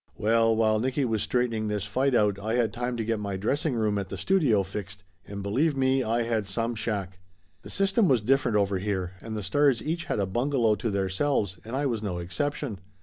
Well, while Nicky was straightening this fight out I had time to get my dressing room at the studio fixed, and believe me, I had some shack. The system was different over here, and the stars each had a bungalow to theirselves, and I was no exception.